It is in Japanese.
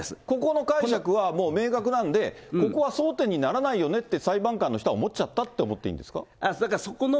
ここの解釈は、もう明確なんで、ここは争点にならないよねって裁判官の人は思っちゃったと思っていいんですか？